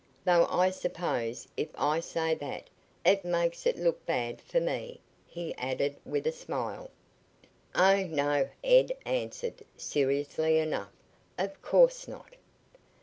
"Though I suppose if I say that it makes it look bad for me," he added with a smile. "Oh, no," Ed answered, seriously enough. "Of course not."